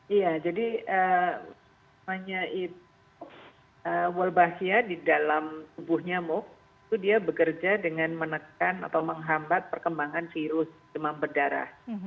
iya jadi wolbachia di dalam tubuh nyamuk itu dia bekerja dengan menekan atau menghambat perkembangan virus demam berdarah